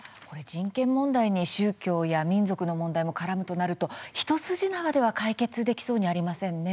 人権問題に宗教や民族の問題も絡むとなると一筋縄では解決できそうにありませんね。